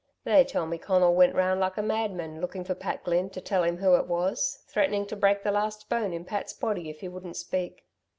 "They tell me Conal went round like a madman looking for Pat Glynn to tell him who it was, threatening to break the last bone in Pat's body if he wouldn't speak."